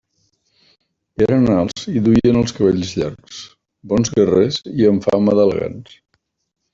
Eren alts i duien els cabells llargs, bons guerrers i amb fama d'elegants.